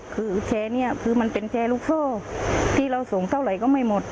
คือแชร์นี้คือมันเป็นแชร์ลูกโซ่ที่เราส่งเท่าไหร่ก็ไม่หมด